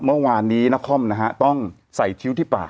เมื่อวานนี้นครนะฮะต้องใส่คิ้วที่ปาก